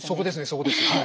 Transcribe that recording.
そこですね